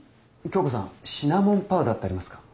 響子さんシナモンパウダーってありますか？